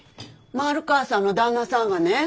丸川さんの旦那さんがね